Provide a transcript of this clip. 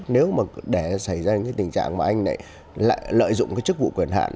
nếu mà để xảy ra những cái tình trạng mà anh lại lợi dụng cái chức vụ quyền hạn